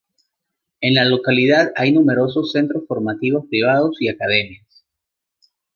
En la localidad hay numerosos centros formativos privados y academias.